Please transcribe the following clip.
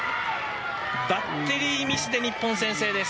バッテリーミスで日本先制です。